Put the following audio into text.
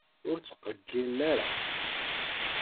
Ur ttqeyyilen ara.